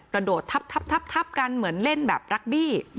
โดดทับกันเหมือนเล่นแบบรักบี้